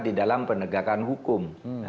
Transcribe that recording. di dalam penegakan hukum